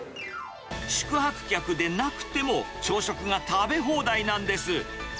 宿泊客でなくても、朝食が食べ放題なんです。